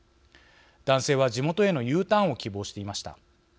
男性は地元へのＵターンを希望していました。